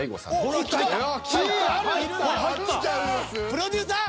プロデューサー？